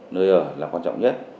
nơi ở là quan trọng nhất